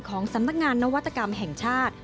ของสำนักงานนวัตกรรมแห่งชาติ